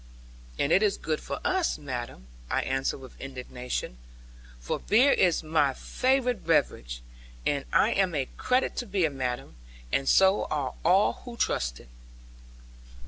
'And it is good for us, madam,' I answered with indignation, for beer is my favourite beverage; 'and I am a credit to beer, madam; and so are all who trust to it.'